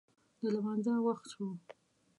د لمانځه وخت شو